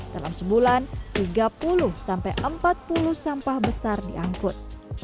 dalam sebulan tiga puluh sampai empat puluh sampah besar diangkut